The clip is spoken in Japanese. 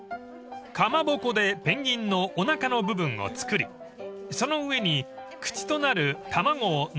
［かまぼこでペンギンのおなかの部分を作りその上に口となる卵をのりで巻いたものをのせます］